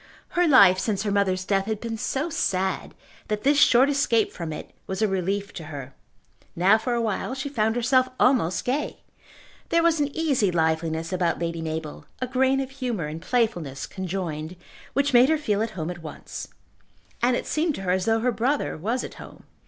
Her life since her mother's death had been so sad, that this short escape from it was a relief to her. Now for awhile she found herself almost gay. There was an easy liveliness about Lady Mabel, a grain of humour and playfulness conjoined, which made her feel at home at once. And it seemed to her as though her brother was at home.